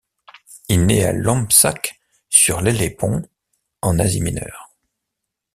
Il naît à Lampsaque, sur l'Hellespont, en Asie Mineure.